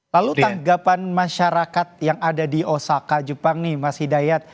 lalu tanggapan masyarakat yang ada di osaka jepang nih mas hidayat